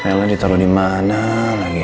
reina ditaruh dimana lagi